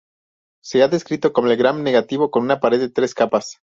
Se ha descrito como Gram negativo con una pared de tres capas.